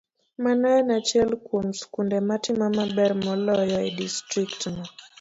Mano en achiel kuom skunde matimo maber moloyo e distriktno.